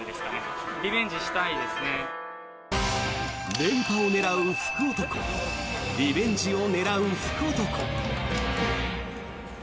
連覇を狙う福男リベンジを狙う福男。